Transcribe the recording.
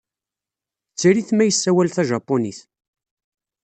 Tter-it ma yessawal tajapunit.